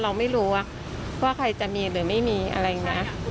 เราไม่รู้ว่าใครจะมีหรือไม่มีอะไรอย่างนี้